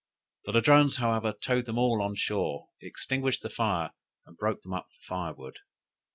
The Ladrones, however, towed them all on shore, extinguished the fire, and broke them up for firewood.